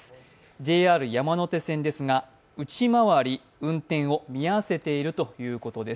ＪＲ山手線ですが、内回り、運転を見合わせているということです。